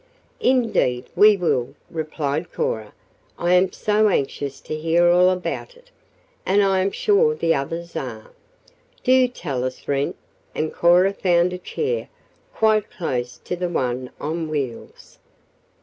"Indeed, we will," replied Cora. "I am so anxious to hear all about it, and I am sure the others are. Do tell us, Wren," and Cora found a chair quite close to the one on wheels.